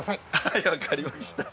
はいわかりました。